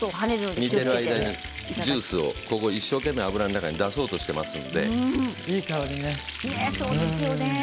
煮ている間にジュースを一生懸命、油の中に出そうとしていい香りね。